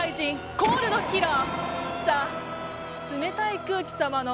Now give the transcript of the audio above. コール・Ｄ・キラー！